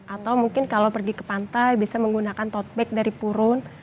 atau mungkin kalau pergi ke pantai bisa menggunakan totback dari purun